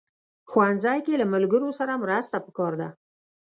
ښوونځی کې له ملګرو سره مرسته پکار ده